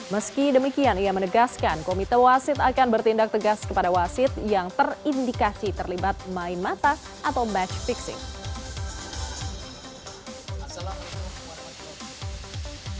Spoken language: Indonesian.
meski demikian ia menegaskan komite wasit akan bertindak tegas kepada wasit yang terindikasi terlibat main mata atau match fixing